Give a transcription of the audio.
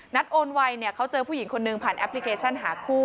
โอนไวเนี่ยเขาเจอผู้หญิงคนหนึ่งผ่านแอปพลิเคชันหาคู่